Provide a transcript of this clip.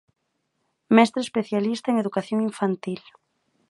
Mestre especialista en educación Infantil.